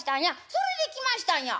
それで来ましたんや」。